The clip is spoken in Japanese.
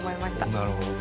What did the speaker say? なるほどね。